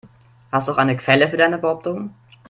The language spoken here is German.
Hast du auch eine Quelle für deine Behauptungen?